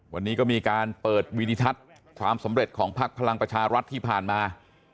วันนี้ก็มีการเปิดวินิทัศน์ความสำเร็จของพักพลังประชารัฐที่ผ่านมา